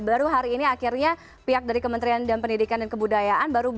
baru hari ini akhirnya pihak dari kementerian pendidikan dan kebudayaan